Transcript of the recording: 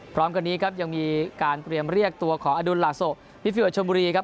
พร้อมกันนี้ครับยังมีการเตรียมเรียกตัวของอดุลลาโซพี่ฟิลชมบุรีครับ